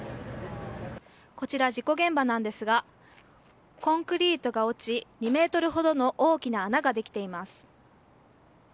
こちら、事故現場なんですがコンクリートが落ち、２ｍほどの大きな穴ができています。